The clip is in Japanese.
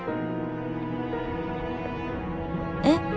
えっ？